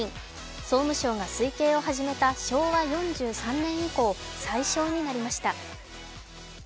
総務省が推計を始めた昭和４３年以降最少になりました。